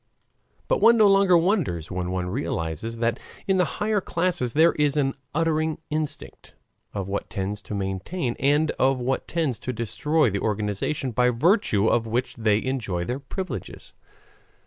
But one no longer wonders when one realizes that in the higher classes there is an unerring instinct of what tends to maintain and of what tends to destroy the organization by virtue of which they enjoy their privileges.